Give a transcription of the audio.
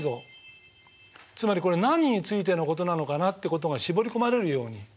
つまりこれ何についてのことなのかなってことが絞り込まれるように。